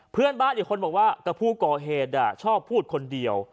เพื่อนบ้านอีกคนบอกว่ากับผู้ก่อเหตุชอบพูดคนเดียว